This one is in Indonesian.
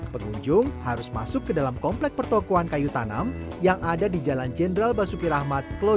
pengunjung harus masuk mendalam komplek pertokohan kayu tanam